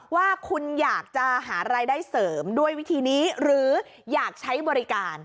ว่าคุณอยากจะหารายได้เสริมด้วยวิธีนี้หรืออยากใช้บริการ